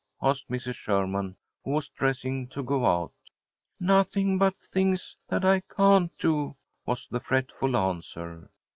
asked Mrs. Sherman, who was dressing to go out. "Nothing but things that I can't do," was the fretful answer.